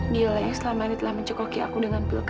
dia lah yang selama ini telah mencekoki aku dengan pil kb